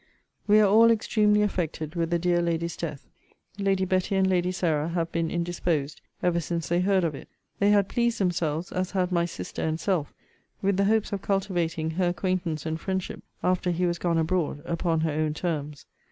We are all extremely affected with the dear lady's death. Lady Betty and Lady Sarah have been indisposed ever since they heard of it. They had pleased themselves, as had my sister and self, with the hopes of cultivating her acquaintance and friendship after he was gone abroad, upon her own terms.